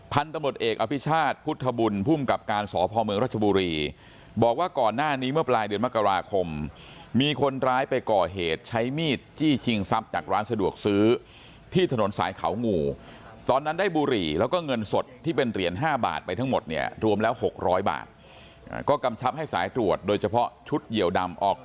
ตำรวจเอกอภิชาติพุทธบุญภูมิกับการสพเมืองรัชบุรีบอกว่าก่อนหน้านี้เมื่อปลายเดือนมกราคมมีคนร้ายไปก่อเหตุใช้มีดจี้ชิงทรัพย์จากร้านสะดวกซื้อที่ถนนสายเขางูตอนนั้นได้บุหรี่แล้วก็เงินสดที่เป็นเหรียญ๕บาทไปทั้งหมดเนี่ยรวมแล้ว๖๐๐บาทก็กำชับให้สายตรวจโดยเฉพาะชุดเหี่ยวดำออก